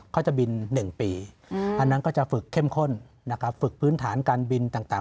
ก็จะบิน๑ปีอันนั้นก็จะฝึกเข้มข้นนะครับฝึกพื้นฐานการบินต่าง